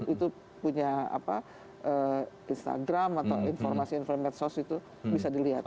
itu punya apa instagram atau informasi informat sos itu bisa dilihat